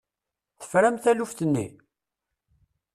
Tefram taluft-nni?